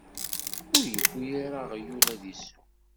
Ur yewwi ara aɣyul ad d-isew.